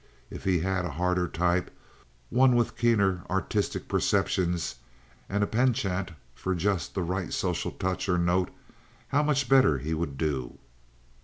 If he had a harder type, one with keener artistic perceptions and a penchant for just the right social touch or note, how much better he would do!